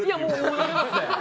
踊れますね。